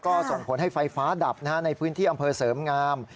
ก็ส่งผลให้ไฟฟ้าดับในพื้นที่อำเภอเสริมงาม